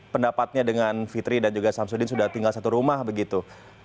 pendapatnya dengan fitri dan juga samsudin sudah tinggal satu rumah begitu